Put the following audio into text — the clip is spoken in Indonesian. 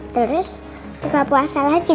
terus buka puasa lagi